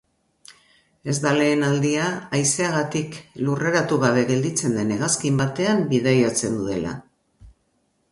Ez da lehen aldia haizeagatik lurreratu gabe gelditzen den hegazkin baten bidatzen duela.